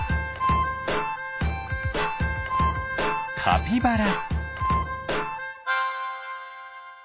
カピバラ。